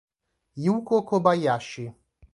Yūko Kobayashi